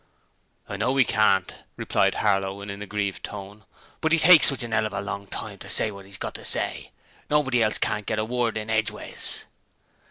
'I know we can't,' replied Harlow in an aggrieved tone: 'but 'e takes sich a 'ell of a time to say wot 'e's got to say. Nobody else can't get a word in edgeways.'